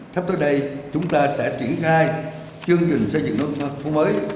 sắp tới đây chúng ta sẽ triển khai chương trình xây dựng nông thôn phố mới